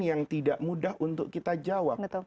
yang tidak mudah untuk kita jawab